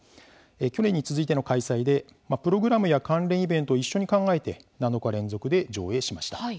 去年に続いての開催でプログラムや関連イベントを一緒に考えて７日連続で上映しました。